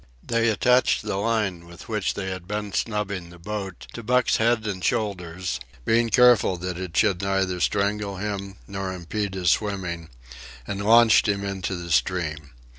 They attached the line with which they had been snubbing the boat to Buck's neck and shoulders, being careful that it should neither strangle him nor impede his swimming, and launched him into the stream.